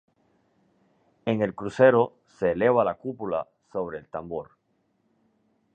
En el crucero se eleva la cúpula sobre el tambor.